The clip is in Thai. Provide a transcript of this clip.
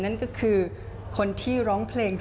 นั่นก็คือคนที่ร้องเพลง